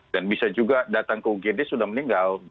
dan bisa juga datang ke ugd sudah meninggal